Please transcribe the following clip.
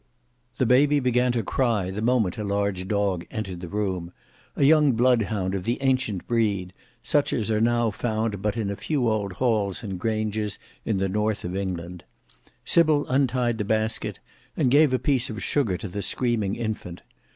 The baby began to cry the moment a large dog entered the room; a young bloodhound of the ancient breed, such as are now found but in a few old halls and granges in the north of England. Sybil untied the basket, and gave a piece of sugar to the screaming infant.